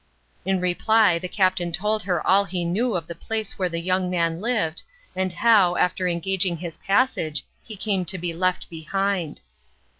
In reply the captain told her all he knew of the place where the young man lived, and how, after engaging his passage, he came to be left behind.